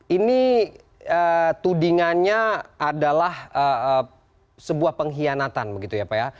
ini tudingannya adalah sebuah pengkhianatan begitu ya pak ya